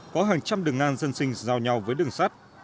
có hàng trăm đường ngang dân sinh giao nhau với đường sắt